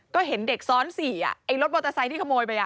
ก็เห็นเด็กซ้อน๔ไอ้รถมอเตอร์ไซค์ที่ขโมยไป